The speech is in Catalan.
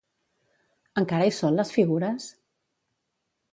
Encara hi són les figures?